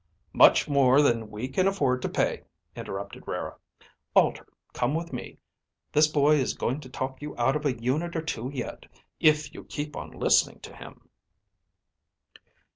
"Much more than we can afford to pay," interrupted Rara. "Alter, come with me. This boy is going to talk you out of a unit or two yet, if you keep on listening to him."